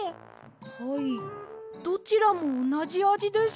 はいどちらもおなじあじです。